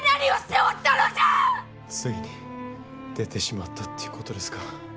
ついに出てしまったということですか。